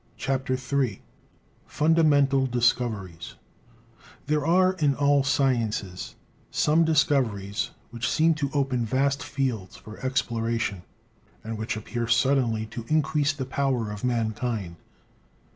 CHAPTER III FUNDAMENTAL DISCOVERIES There are in all sciences some discoveries which seem to open vast fields for exploration, and which appear sud denly to increase the power of mankind.